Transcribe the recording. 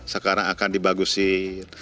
sekarang akan dibagusin